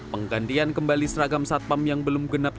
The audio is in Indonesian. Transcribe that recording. penggantian kembali seragam satpam yang belum genap